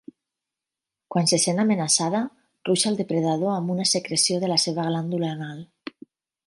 Quan se sent amenaçada, ruixa al depredador amb una secreció de la seva glàndula anal.